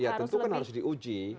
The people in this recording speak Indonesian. ya tentu kan harus diuji